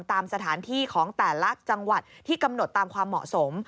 ตามสถานที่ของแต่ละจังหวัดที่กำหนดตามความเหมาะสม